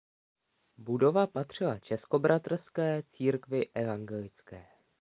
Budova patřila Českobratrské církvi evangelické.